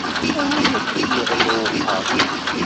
Awi-add-it ɣel Uwqas.